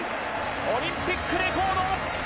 オリンピックレコード！